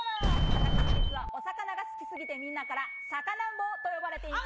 私、実はお魚が好きすぎてみんなから、さかなんぼうと呼ばれています。